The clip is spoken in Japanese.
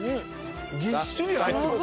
ぎっしり入ってます。